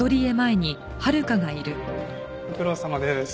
ご苦労さまです。